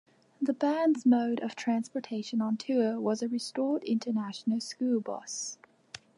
The band's mode of transportation on tour was a restored international school bus.